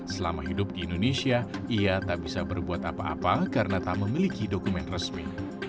selama hidup di indonesia ia tak bisa berbuat apa apa karena tak memiliki dokumen resmi